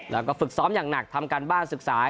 แล้วก็ฝึกซ้อมอย่างหนักทำการบ้านศึกษา